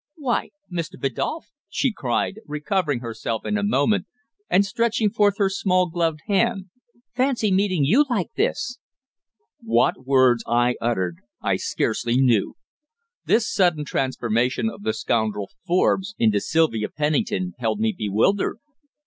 "Why Mr. Biddulph!" she cried, recovering herself in a moment and stretching forth her small gloved hand; "fancy meeting you like this!" What words I uttered I scarcely knew. This sudden transformation of the scoundrel Forbes into Sylvia Pennington held me bewildered.